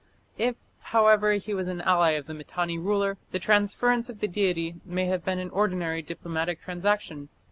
If, however, he was an ally of the Mitanni ruler, the transference of the deity may have been an ordinary diplomatic transaction.